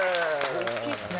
おっきいっすね